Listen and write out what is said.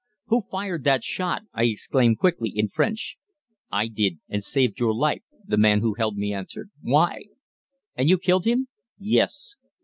"Who fired that shot?" I exclaimed quickly, in French. "I did and saved your life," the man who held me answered. "Why?" "And you killed him?" "Yes."